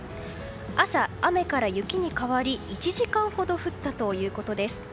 朝、雨から雪に変わり１時間ほど降ったということです。